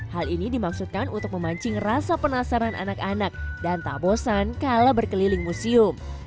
hal ini dimaksudkan untuk memancing rasa penasaran anak anak dan tak bosan kalau berkeliling museum